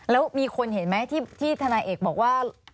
แล้วมีคนเห็นไหมที่ทนายเอกบอกว่า